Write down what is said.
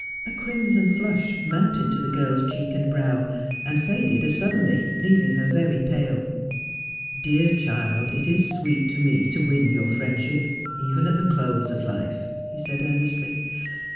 A crimson flush mounted to the girl's cheek and brow, and faded as suddenly, leaving her very pale. 'Dear child, it is sweet to me to win your friendship, even at the close of life,' he said earnestly.